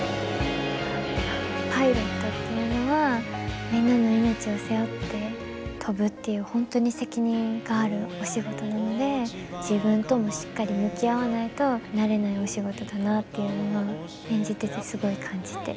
パイロットっていうのはみんなの命を背負って飛ぶっていう本当に責任があるお仕事なので自分ともしっかり向き合わないとなれないお仕事だなっていうのが演じててすごい感じて。